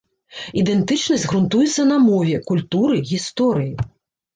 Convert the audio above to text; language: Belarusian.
Ідэнтычнасць грунтуецца на мове, культуры, гісторыі.